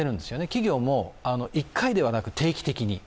企業も１回ではなく定期的に。